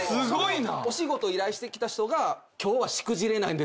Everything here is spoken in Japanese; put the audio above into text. お仕事依頼してきた人が「今日はしくじれないんです」